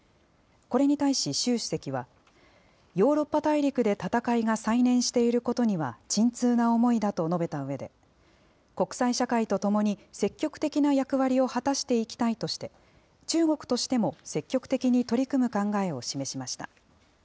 これに対し、習主席は、ヨーロッパ大陸で戦いが再燃していることには、沈痛な思いだと述べたうえで、国際社会とともに、積極的な役割を果たしていきたいとして、中国としても、積極的に取り組む考えを示しました。